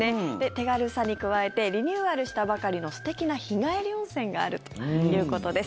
手軽さに加えてリニューアルしたばかりの素敵な日帰り温泉があるということです。